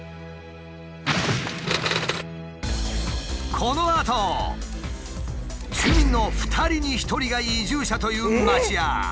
このあと住民の２人に１人が移住者という町や。